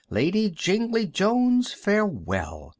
"Lady Jingly Jones, farewell!"